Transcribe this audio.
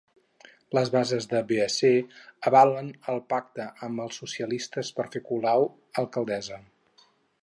Les bases de BeC avalen el pacte amb els socialistes per fer Colau alcaldessa.